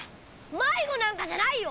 まいごなんかじゃないよ！